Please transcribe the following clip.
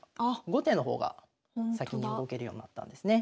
後手の方が先に動けるようになったんですね。